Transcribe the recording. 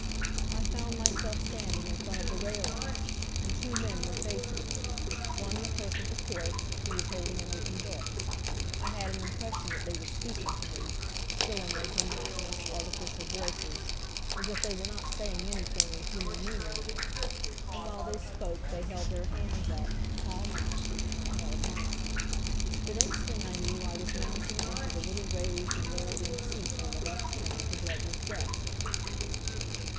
I found myself standing in front of the railing, and two men were facing me, one the clerk of the court, who was holding an open book. I had an impression that they were speaking to me, still in those monotonous, artificial voices, as if they were not saying anything with human meaning in it, and while they spoke they held their hands up, palm out, and I held mine. The next thing I knew I was mounting into the little raised and railed in seat on the left hand of the judge's desk.